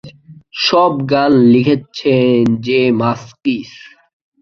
সব গান লিখেছেন জে মাসকিস।